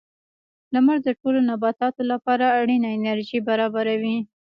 • لمر د ټولو نباتاتو لپاره اړینه انرژي برابروي.